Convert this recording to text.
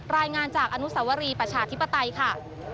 รายงานจากอนุสวรีประชาธิปไตยค่ะ